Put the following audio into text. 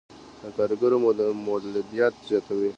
د کارګرو مولدیت زیاتوي.